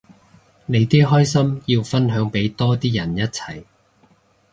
你啲開心要分享俾多啲人一齊